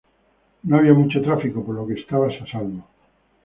No había mucho tráfico, por lo que estabas a salvo.